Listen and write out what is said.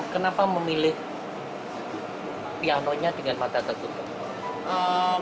kenapa memilih pianonya dengan mata tertutup